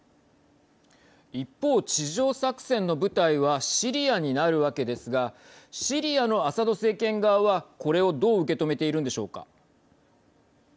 一方、地上作戦の舞台はシリアになるわけですがシリアのアサド政権側はこれをどう受け止めているのでしょうか。